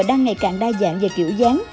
đang ngày càng đa dạng về kiểu dáng